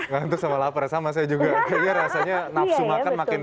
ngantuk sama lapar sama saya juga kayaknya rasanya nafsu makan makin